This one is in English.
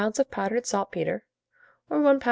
of powdered saltpetre; or, 1 lb.